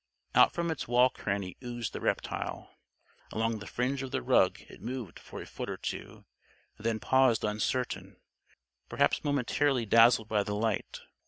Out from its wall cranny oozed the reptile. Along the fringe of the rug it moved for a foot or two; then paused uncertain perhaps momentarily dazzled by the light.